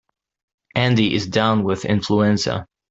Andy is down with influenza.